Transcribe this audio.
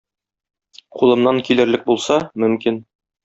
Кулымнан килерлек булса, мөмкин.